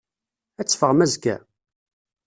Ad teffɣem azekka?